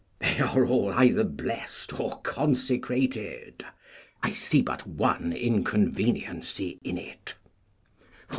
They are all either blest or consecrated. I see but one inconveniency in it.